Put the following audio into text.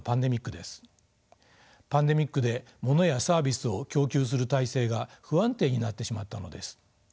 パンデミックでものやサービスを供給する体制が不安定になってしまったのです。